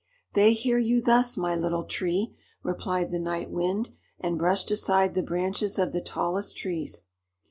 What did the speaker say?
"They hear you thus, my Little Tree," replied the Night Wind, and brushed aside the branches of the tallest trees.